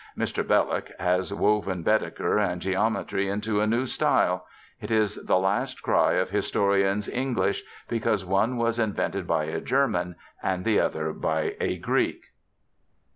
Mr. Belloc has woven Baedeker and geometry into a new style: it is the last cry of historians' English, because one was invented by a German and the other by a Greek.